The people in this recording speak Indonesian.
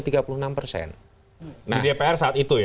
di dpr saat itu ya